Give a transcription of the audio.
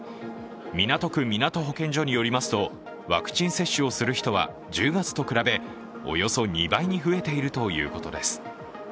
港区みなと保健所によりますとワクチン接種をする人は１０月と比べ、およそ２倍に増えているということです。